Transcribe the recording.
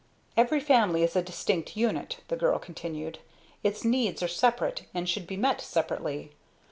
"Every family is a distinct unit," the girl continued. "Its needs are separate and should be met separately.